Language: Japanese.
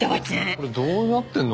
これどうなってんの？